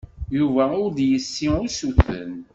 Yuba ur d-yessi usuten.